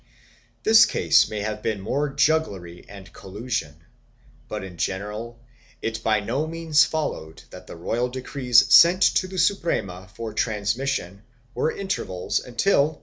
2 This case may have been mere jugglery and collusion, but in general it by no means followed that royal decrees sent to the Suprema for transmission were forwarded.